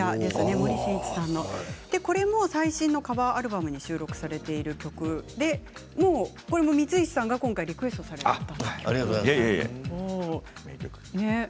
森進一さんの、最新のカバーアルバムに収録されている曲でこれも光石さんが今回リクエストをされました。